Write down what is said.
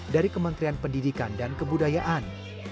dari kementerian pendidikan dan kebudayaan